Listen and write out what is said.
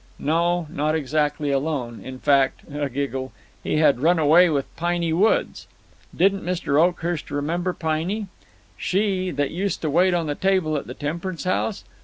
No, not exactly alone; in fact (a giggle), he had run away with Piney Woods. Didn't Mr. Oakhurst remember Piney? She that used to wait on the table at the Temperance House?